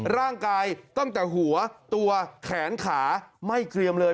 ร่างกายตั้งแต่หัวตัวแขนขาไม่เกลี่ยมเลย